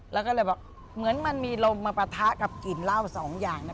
แล้วก็เลยบอกเหมือนมันมีลมมาปะทะกับกลิ่นเหล้าสองอย่างนะ